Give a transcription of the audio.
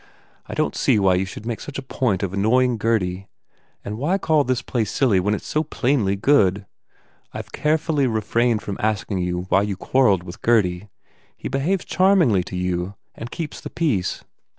"I don t see why you should make such a point of annoying Gurdy. And why call this play silly when it s so plainly good? ... I ve carefully refrained from asking you why you quarrelled with Gurdy. He behaves charmingly to you and keeps the peace."